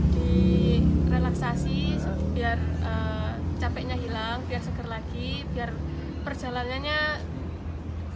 relaksasi biar capeknya hilang biar segar lagi biar perjalanannya fresh lagi